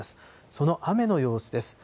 その雨の様子です。